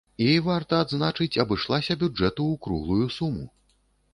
І, варта адзначыць, абышлася бюджэту ў круглую суму.